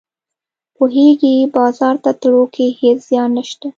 پوهیږې بازار ته تلو کې هیڅ زیان نشته